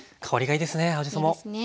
いいですね。